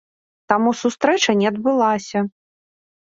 Таму сустрэча не адбылася.